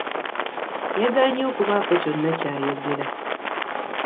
Yagaanyi okubaako kyonna ky'ayogera.